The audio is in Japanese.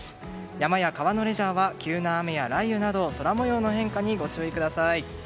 山や川のレジャーは急な雨や雷雨など空模様の変化にご注意ください。